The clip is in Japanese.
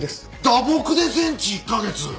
打撲で全治１カ月！？